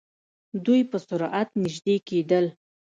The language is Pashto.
دوئ په سرعت نژدې کېدل.